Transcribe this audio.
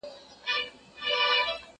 همېشه به يې دوه درې فصله کرلې